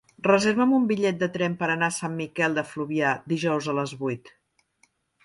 Reserva'm un bitllet de tren per anar a Sant Miquel de Fluvià dijous a les vuit.